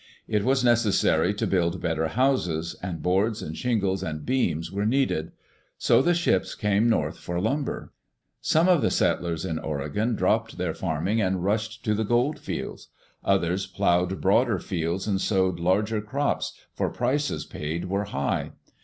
It was necessary to build better houses, and boards and shingles and beams were needed. So the ships came north for lumber. Digitized by Google EARLY DAYS IN OLD OREGON Some of the settlers in Oregon dropped their farming and rushed to the gold fields. Others plowed broader fields and sowed larger crops, for prices paid were high.